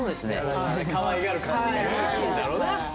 かわいがる感じがいいんだろうな皆さん